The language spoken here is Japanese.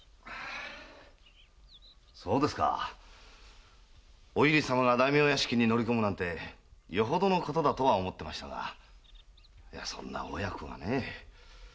そうですかお由利様が大名屋敷に乗り込むなんてよほどのことだと思ってましたがそんな親子がねぇ。